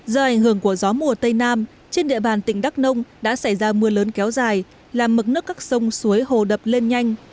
do ảnh hưởng của gió mùa tây nam trên địa bàn tỉnh đắk nông đã xảy ra mưa lớn kéo dài làm mực nước các sông suối hồ đập lên nhanh